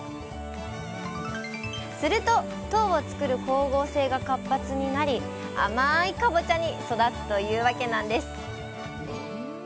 すると糖を作る光合成が活発になり甘いかぼちゃに育つというわけなんです